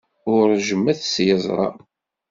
Ur ṛejjmet s yeẓra.